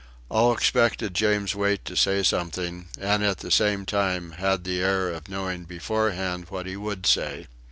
All expected James Wait to say something, and, at the same time, had the air of knowing beforehand what he would say.